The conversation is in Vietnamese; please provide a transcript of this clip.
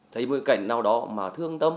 thấy một cảnh nào đó mà thương tâm